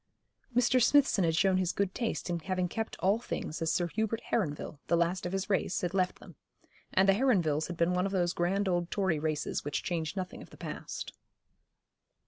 Mr. Smithson had shown his good taste in having kept all things as Sir Hubert Heronville, the last of his race, had left them; and the Heronvilles had been one of those grand old Tory races which change nothing of the past.